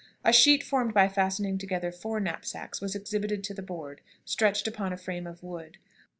"A sheet formed by fastening together four knapsacks was exhibited to the Board, stretched upon a frame of wood.